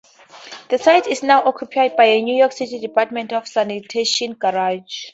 The site is now occupied by a New York City Department of Sanitation garage.